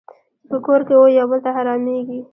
چې په کور کې وو یو بل ته حرامېږي.